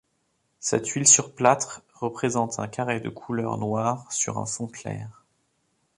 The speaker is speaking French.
Cette huile sur plâtre représente un carré de couleur noire sur un fond clair.